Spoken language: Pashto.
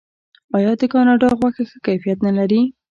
آیا د کاناډا غوښه ښه کیفیت نلري؟